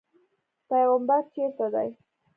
پیغمبر چېرته دی.